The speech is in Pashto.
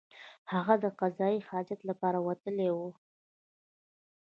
هغه د قضای حاجت لپاره وتلی وو.